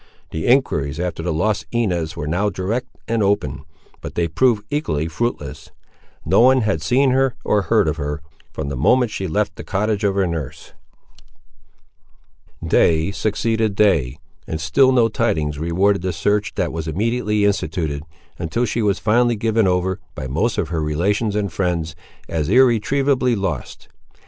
The enquiries after the lost Inez were now direct and open; but they proved equally fruitless. No one had seen her, or heard of her, from the moment that she left the cottage of her nurse. Day succeeded day, and still no tidings rewarded the search that was immediately instituted, until she was finally given over, by most of her relations and friends, as irretrievably lost.